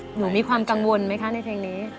มีความกังวลไหมคะในเพลงนี้